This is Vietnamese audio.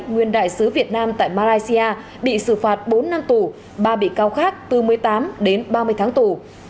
nguyên đại sứ việt nam tại malaysia bị xử phạt bốn năm tù ba bị cáo khác từ một mươi tám đến ba mươi tháng tù